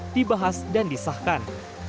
dibahas dan disahkan